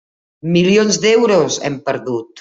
Milions d'euros, hem perdut.